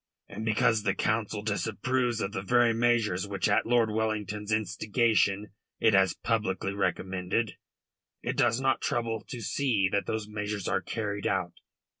And because the Council disapproves of the very measures which at Lord Wellington's instigation it has publicly recommended, it does not trouble to see that those measures are carried out.